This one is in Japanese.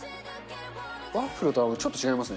ワッフルとはちょっと違いますね。